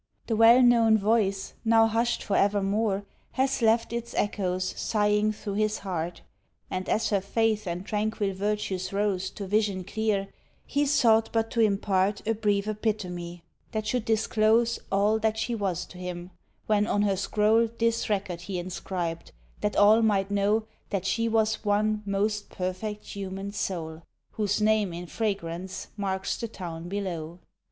The well known voice, now hushed for evermore, Has left its echoes sighing through his heart; And as her faith and tranquil virtues rose To vision clear, he sought but to impart A brief epitome, that should disclose All that she was to him, when on her scroll This record he inscribed, that all might know That she was one "most perfect human soul" Whose name in fragrance marks the "town below."